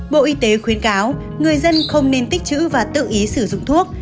bộ y tế khuyến cáo người dân không nên tích chữ và tự ý sử dụng thuốc